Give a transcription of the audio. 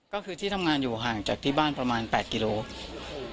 ก็คือที่ทำงานอยู่ห่างจากที่บ้านประมาณ๘กิโลกรัม